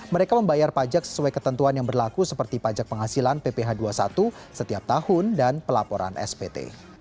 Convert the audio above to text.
mereka membayar pajak sesuai ketentuan yang berlaku seperti pajak penghasilan pph dua puluh satu setiap tahun dan pelaporan spt